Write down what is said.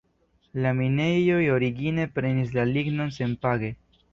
La minejoj origine prenis la lignon senpage.